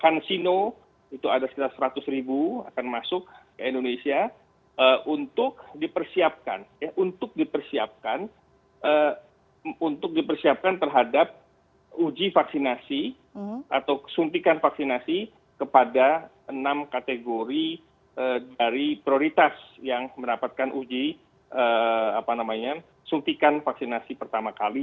kepala kansino itu ada sekitar seratus ribu akan masuk ke indonesia untuk dipersiapkan terhadap uji vaksinasi atau suntikan vaksinasi kepada enam kategori dari prioritas yang mendapatkan uji suntikan vaksinasi pertama kali